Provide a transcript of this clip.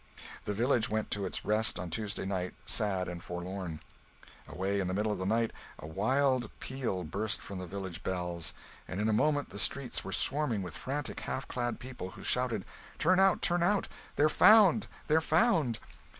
The village went to its rest on Tuesday night, sad and forlorn. Away in the middle of the night a wild peal burst from the village bells, and in a moment the streets were swarming with frantic half clad people, who shouted, "Turn out! turn out! they're found! they're found!"